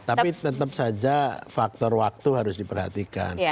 tapi tetap saja faktor waktu harus diperhatikan